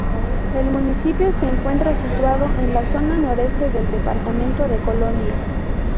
El municipio se encuentra situado en la zona noroeste del departamento de Colonia.